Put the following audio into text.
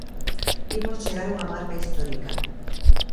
Imos chegar a unha marca histórica.